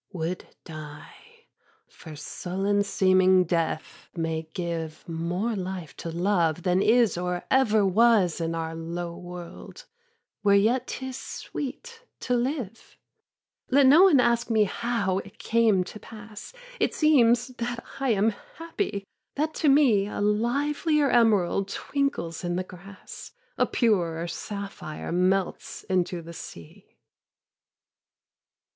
6. Would die; for sullen seeming Death may give More life to Love than is or ever was In our low world, where yet 'tis sweet to live. Let no one ask me how it came to pass; It seems that I am happy, that to me A livelier emerald twinkles in the grass, A purer sapphire melts into the sea.